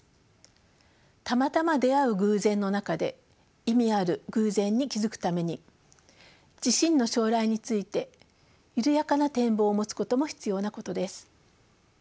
たまたま出会う偶然の中で意味ある偶然に気付くために自身の将来について緩やかな展望を持つことも必要なことです。